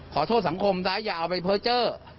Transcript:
ขอโทษสังคมแต่อย่าเอาไปเผลอเจ้อ